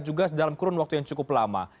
juga dalam kurun waktu yang cukup lama